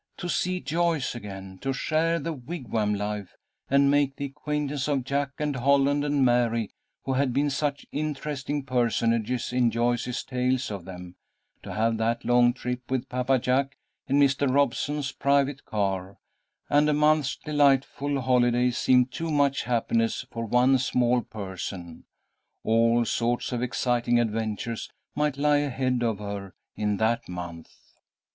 To see Joyce again, to share the wigwam life, and make the acquaintance of Jack and Holland and Mary, who had been such interesting personages in Joyce's tales of them, to have that long trip with Papa Jack in Mr. Robeson's private car, and a month's delightful holiday, seemed too much happiness for one small person. All sorts of exciting adventures might lie ahead of her in that month.